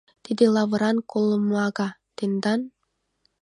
Тиде лавыран колымага — тендан?